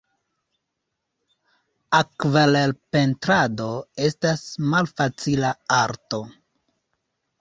Akvarelpentrado estas malfacila arto.